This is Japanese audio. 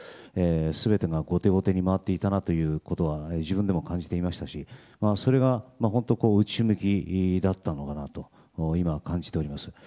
全てが後手後手に回っていたなということは自分でも感じていましたしそれが内向きだったのだなと今、感じております。